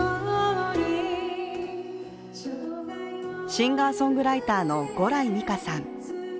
シンガーソングライターの牛来美佳さん。